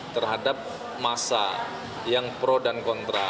terhadap masa yang pro dan kontra